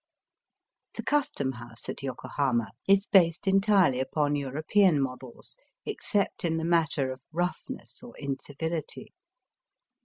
The Custom House at Yokohama is based entirely upon European models, except in the matter of roughness or incivility.